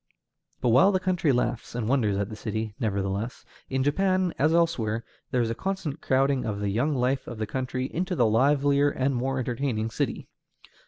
But while the country laughs and wonders at the city, nevertheless, in Japan as elsewhere, there is a constant crowding of the young life of the country into the livelier and more entertaining city.